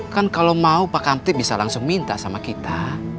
kan kalau mau pak kamtip bisa langsung minta sama kita